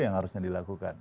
yang harusnya dilakukan